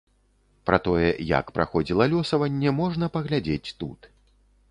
Пра тое, як праходзіла лёсаванне, можна паглядзець тут.